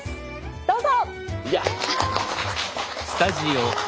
どうぞ！